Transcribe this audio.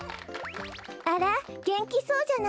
あらげんきそうじゃない。